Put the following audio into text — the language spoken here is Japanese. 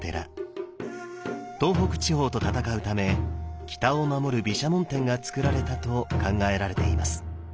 東北地方と戦うため北を守る毘沙門天がつくられたと考えられています。